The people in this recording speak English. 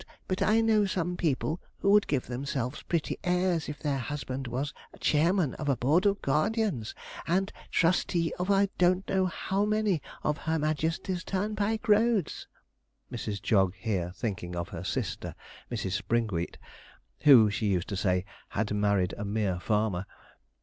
but I know some people who would give themselves pretty airs if their husband was chairman of a board of guardians, and trustee of I don't know how many of Her Majesty's turnpike roads,' Mrs. Jog here thinking of her sister Mrs. Springwheat, who, she used to say, had married a mere farmer.